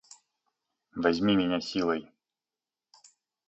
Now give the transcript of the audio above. Возьми меня силой!